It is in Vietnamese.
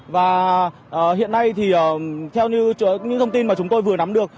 và hiện nay thì theo như thông tin mà chúng tôi vừa nắm được